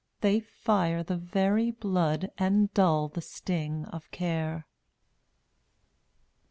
They fire the very blood And dull the sting of care.